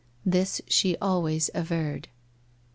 This she alwavs averred.